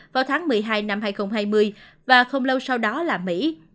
vào tháng một mươi hai năm hai nghìn hai mươi và không lâu sau đó là mỹ